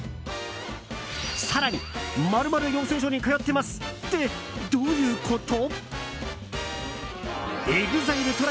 更に、○○養成所に通ってますってどういうこと？